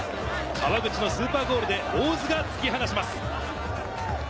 川口のスーパーゴールで大津が突き放します。